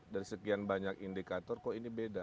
dari sekian banyak indikator kok ini beda